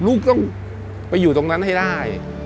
ลูกต้องไปอยู่ตรงนั้นให้ได้